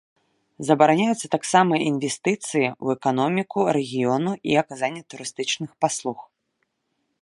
Забараняюцца таксама інвестыцыі ў эканоміку рэгіёну і аказанне турыстычных паслуг.